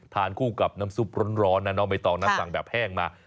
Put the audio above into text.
ทานคู่กับน้ำซุปร้อนนะน้องใบตองนะสั่งแบบแห้งมา